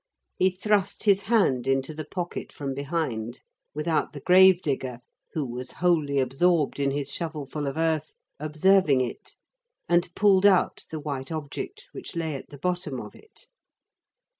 He thrust his hand into the pocket from behind, without the grave digger, who was wholly absorbed in his shovelful of earth, observing it, and pulled out the white object which lay at the bottom of it.